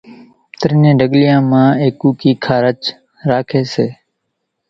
ترڃين ڍڳليان مان ايڪوڪي خارچ ناکي سي۔